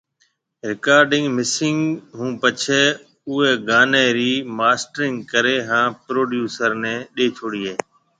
رڪارڊنگ مڪسنگ ھونپڇي اوئي گاني ري ماسٽرنگ ڪري ھان پروڊيوسر ني ڏي ڇوڙي ھيَََ